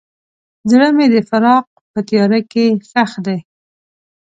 زړه مې د فراق په تیاره کې ښخ دی.